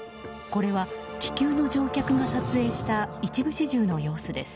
これは気球の乗客が撮影した一部始終の様子です。